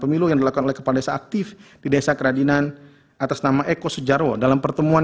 pemilu yang dilakukan oleh kepala desa aktif di desa keradinan atas nama eko sujarwo dalam pertemuan